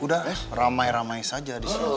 udah ramai ramai saja di sini